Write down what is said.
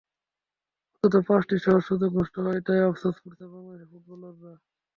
অন্তত পাঁচটি সহজ সুযোগ নষ্ট হওয়ায় তাই আফসোসে পুড়ছেন বাংলাদেশের ফুটবলাররা।